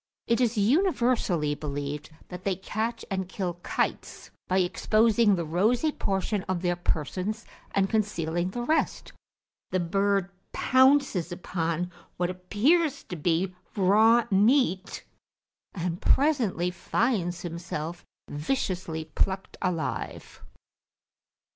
It is universally believed that they catch and kill kites, by exposing the rosy portion of their persons and concealing the rest; the bird pounces upon what appears to be raw meat, and presently finds himself viciously plucked alive.